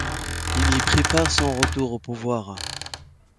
Il y prépare son retour au pouvoir.